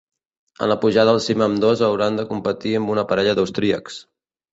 En la pujada al cim ambdós hauran de competir amb una parella d'austríacs.